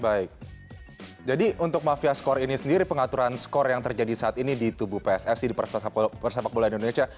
baik jadi untuk mafia skor ini sendiri pengaturan skor yang terjadi saat ini di tubuh pssi di persepak bola indonesia